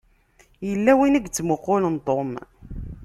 Yella win i yettmuqqulen Tom.